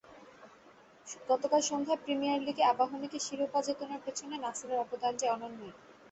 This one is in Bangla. গতকাল সন্ধ্যায় প্রিমিয়ার লিগে আবাহনীকে শিরোপা জেতানোর পেছনে নাসিরের অবদান যে অনন্যই।